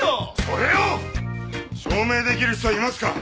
それを証明出来る人はいますか？